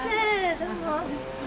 どうも」